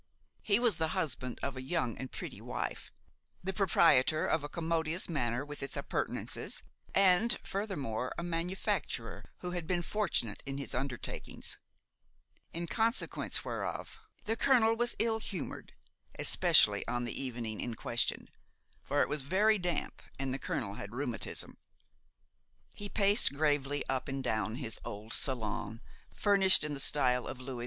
He was the husband of a young and pretty wife, the proprietor of a commodious manor with its appurtenances, and, furthermore, a manufacturer who had been fortunate in his undertakings; in consequence whereof the colonel was ill humored, especially on the evening in question; for it was very damp, and the colonel had rheumatism. He paced gravely up and down his old salon, furnished in the style of Louis XV.